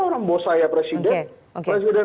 orang bosan ya presiden presiden